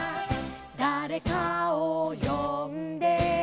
「だれかをよんで」